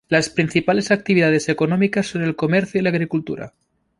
Las principales actividades económicas son el comercio y la agricultura.